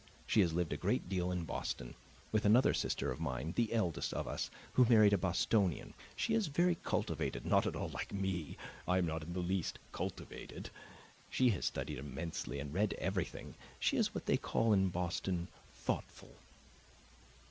She has lived a great deal in Boston, with another sister of mine the eldest of us who married a Bostonian. She is very cultivated, not at all like me; I am not in the least cultivated. She has studied immensely and read everything; she is what they call in Boston 'thoughtful.